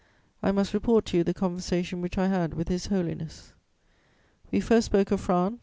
I must report to you the conversation which I had with His Holiness. "We first spoke of France.